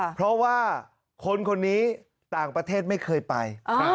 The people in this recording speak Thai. เพราะว่าคนคนนี้ต่างประเทศไม่เคยไป